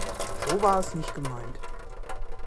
So war es nicht gemeint.